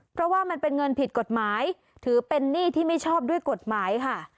เพราะว่ามันเป็นเงินผิดกฎหมายถือเป็นหนี้ที่ไม่ชอบด้วยกฎหมายค่ะ